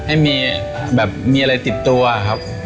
ให้มีอะไรติดตัวครับ